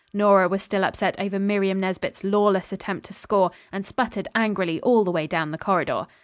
Nora was still upset over Miriam Nesbit's lawless attempt to score, and sputtered angrily all the way down the corridor.